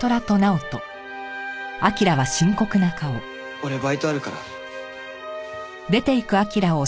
俺バイトあるから。